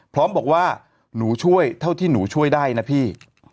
พร้อมบอกว่าหนูช่วยเท่าที่หนูช่วยได้นะพี่